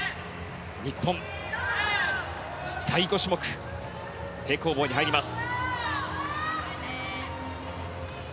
日本、第５種目平行棒に入ります。